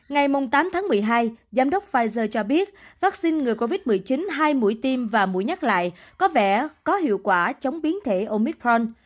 ngày tám tháng một mươi hai giám đốc pfizer cho biết vaccine ngừa covid một mươi chín hai mũi tim và mũi nhắc lại có vẻ có hiệu quả chống biến thể omicron